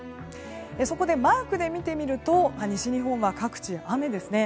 そこでマークで見てみると西日本は各地雨ですね。